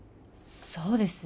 そうですね